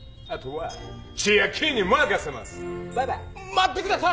待ってください！